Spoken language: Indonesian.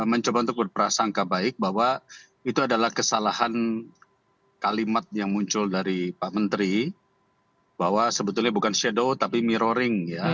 mencoba untuk berprasangka baik bahwa itu adalah kesalahan kalimat yang muncul dari pak menteri bahwa sebetulnya bukan shadow tapi mirroring ya